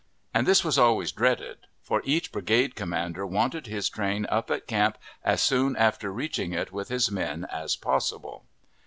And this was always dreaded, for each brigade commander wanted his train up at camp as soon after reaching it with his men as possible.